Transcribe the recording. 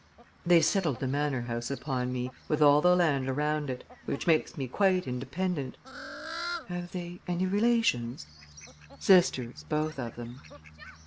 "They settled the manor house upon me, with all the land around it, which makes me quite independent." "Have they any relations?" "Sisters, both of them."